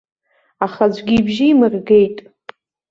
Аха аӡәгьы ибжьы имыргеит.